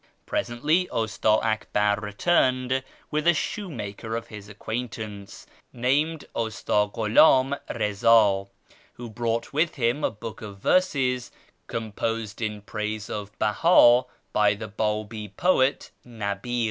Presently Usta Akbar returned with a shoe maker of his acquaintance, named Usta GhuLim Eiza, who brought with him a book of verses composed in praise of Behii by the Babi poet JSTabi'l.